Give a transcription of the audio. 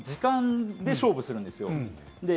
その時間で勝負するんですよ。